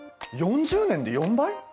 ４０年で４倍！？